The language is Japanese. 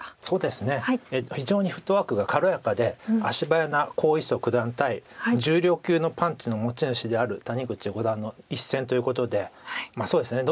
非常にフットワークが軽やかで足早な黄翊祖九段対重量級のパンチの持ち主である谷口五段の一戦ということでそうですね